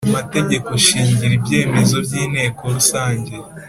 mategeko shingiro ibyemezo by Inteko rusange